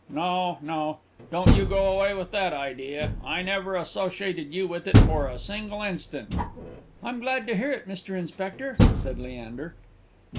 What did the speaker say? No, no; don't you go away with that idea. I never associated you with it for a single instant." "I'm truly glad to hear it, Mr. Inspector," said Leander.